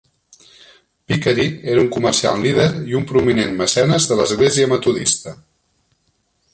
Vickery era un comerciant líder i un prominent mecenes de l'església Metodista.